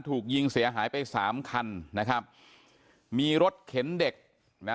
ถูกยิงเสียหายไปสามคันนะครับมีรถเข็นเด็กนะ